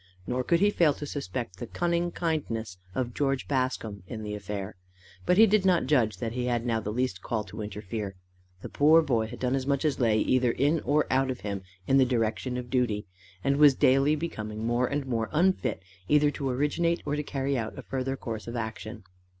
Nor could he fail to suspect the cunning kindness of George Bascombe in the affair. But he did not judge that he had now the least call to interfere. The poor boy had done as much as lay either in or out of him in the direction of duty, and was daily becoming more and more unfit either to originate or carry out a further course of action.